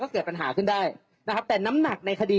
ก็เกิดปัญหาขึ้นได้แต่น้ำหนักในคดี